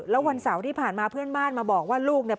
แล้ววันเสาร์ที่ผ่านมาเพื่อนบ้านมาบอกว่าลูกเนี่ย